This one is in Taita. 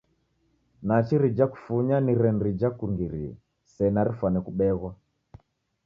Nachi rija kufunya ni reni rija kungirie, sena rifwane kubeghwa!